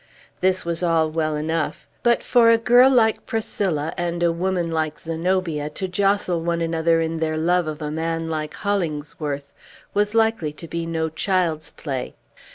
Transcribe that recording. This was all well enough; but, for a girl like Priscilla and a woman like Zenobia to jostle one another in their love of a man like Hollingsworth, was likely to be no child's play.